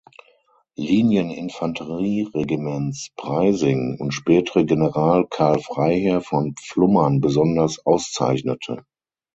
Linieninfanterieregiments "Preysing" und spätere General Karl Freiherr von Pflummern besonders auszeichnete.